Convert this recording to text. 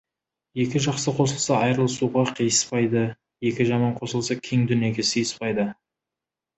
Екі жақсы қосылса, айырылысуға қиыспайды, екі жаман қосылса, кең дүниеге сиыспайды.